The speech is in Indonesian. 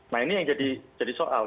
nah ini yang jadi soal